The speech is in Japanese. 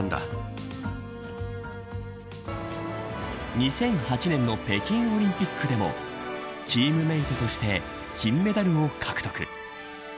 ２００８年の北京オリンピックでもチームメートとして金メダルを獲得。